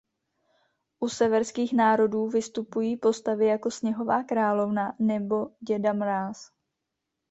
U severských národů vystupují postavy jako "Sněhová královna" nebo "Děda Mráz".